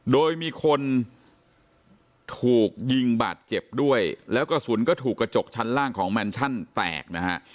โดยมีคนถูกยิงบาดเจ็บด้วยแล้วกระสุนก็ถูกกระจกชั้นล่างของแมนชั่นแตกนะฮะ